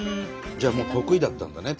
じゃあ得意だったんだね